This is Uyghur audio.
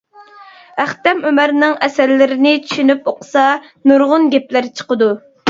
ئەختەم ئۆمەرنىڭ ئەسەرلىرىنى چۈشىنىپ ئوقۇسا، نۇرغۇن گەپلەر چىقىدۇ.